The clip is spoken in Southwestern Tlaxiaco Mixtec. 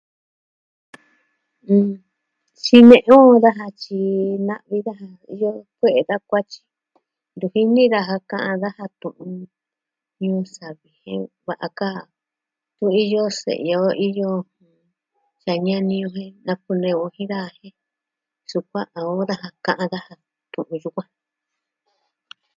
Xine'yu daja axin na'vi daja. Iyo kue'e da kuatyi. Ntu jini daja ka'an daja tu'un ñuu savi jen kua'an ka. Ntu iyo se'ya o iyo se'ya ñani o jen naku nee o jin daa jen, sukuan a o daja ka'an daja tu'un yukuan.